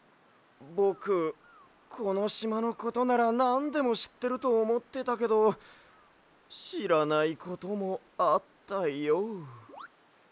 ぼくこのしまのことならなんでもしってるとおもってたけどしらないこともあったＹＯ。